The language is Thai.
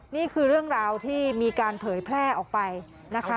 นี่คือเรื่องราวที่มีการเผยแพร่ออกไปนะคะ